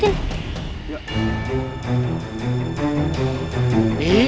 tidak ada diesel